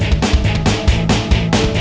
artinya teman cowok glock ya